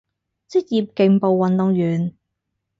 職業競步運動員